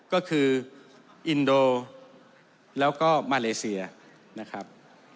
ก็คืออินโดแล้วก็มาเลเซียนะครับ